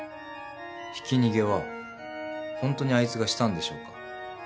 ひき逃げはホントにあいつがしたんでしょうか？